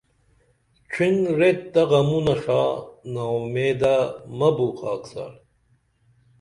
ڇِھن ریت تہ غمونہ ݜا نا اُمیدہ مہ بو خاکسار